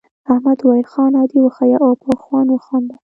احمد وویل خان عادي وښیه او په خوند وخانده.